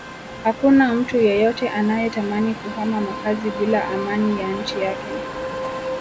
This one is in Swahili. Hakuna mtu yeyote anayetamani kuhama makazi bila amani ya nchi yake